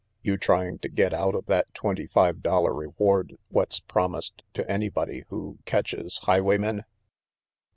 " You trying to get out of that twenty five dollar reward what's promised to anybody who catches highwaymen?"